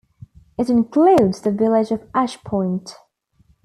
It includes the village of Ash Point.